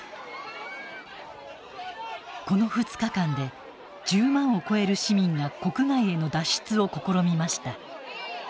この２日間で１０万を超える市民が国外への脱出を試みました。